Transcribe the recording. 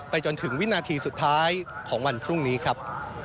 จนถึงวินาทีสุดท้ายของวันพรุ่งนี้ครับ